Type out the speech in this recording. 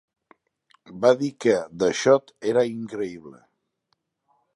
Va dir que "The shoot" era increïble.